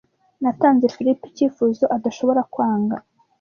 Natanze Philip icyifuzo adashobora kwanga.